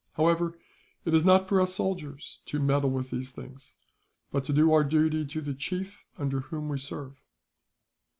However, it is not for us soldiers to meddle with these things; but to do our duty to the chief under whom we serve.